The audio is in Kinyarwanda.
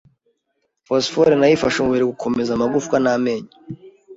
Fosifore nayo ifasha umubiri gukomeza amagufa n’amenyo